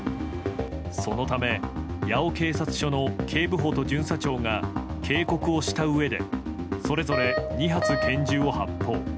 そのため八尾警察署の警部補と巡査長が警告をしたうえでそれぞれ２発拳銃を発砲。